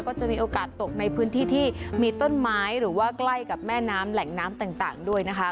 ก็จะมีโอกาสตกในพื้นที่ที่มีต้นไม้หรือว่าใกล้กับแม่น้ำแหล่งน้ำต่างด้วยนะคะ